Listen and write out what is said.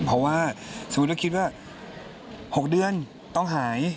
เพราะว่าสมมุติเราคิดว่า๖เดือนต้องหาย